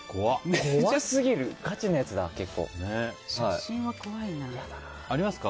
ガチのやつだ、結構。ありますか？